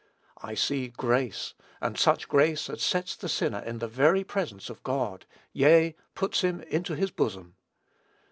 I see grace, and such grace as sets the sinner in the very presence of God, yea, puts him into his bosom.